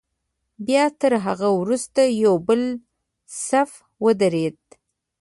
بیا تر هغه وروسته یو بل صف ودرېد.